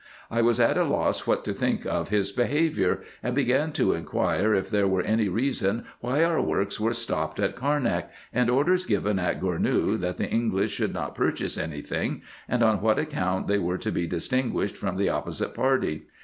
I was at a loss what to think of his behaviour, and began to inquire, if there were any reasons why our works were stopped at Carnak, and orders given at Gournou, that the English should not purchase any thing, and on what account they were to be distinguished from the opposite party.